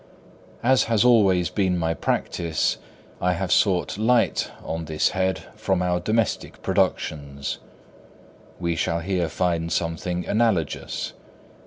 As has always been my practice, I have sought light on this head from our domestic productions. We shall here find something analogous.